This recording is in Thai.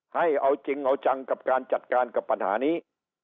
ให้เอาจริงเอาจังกับการจัดการกับปัญหานี้